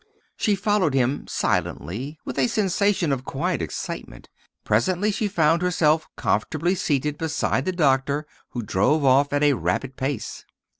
She followed him silently with a sensation of quiet excitement. Presently she found herself comfortably seated beside the doctor, who drove off at a rapid pace.